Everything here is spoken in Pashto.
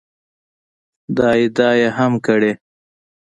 دا ادعا یې هم کړې